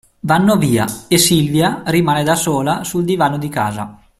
Vanno via, e Silvia rimane da sola sul divano di casa.